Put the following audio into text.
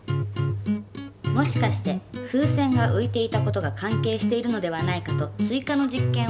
「もしかして風船がういていた事が関係しているのではないかと追加の実験を考えてみました。